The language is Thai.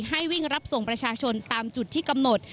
ให้วิ่งรับส่งประชาชนตามจุดที่กำหนด